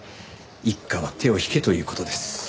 一課は手を引けという事です。